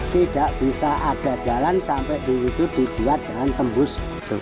tidak bisa ada jalan sampai di situ dibuat dengan tembus